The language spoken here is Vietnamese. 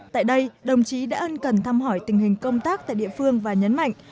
tại đây đồng chí đã ân cần thăm hỏi tình hình công tác tại địa phương và nhấn mạnh